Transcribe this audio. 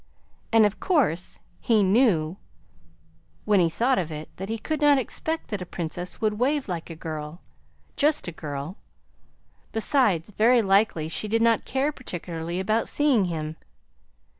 And of course he knew when he thought of it that he could not expect that a Princess would wave like a girl just a girl. Besides, very likely she did not care particularly about seeing him.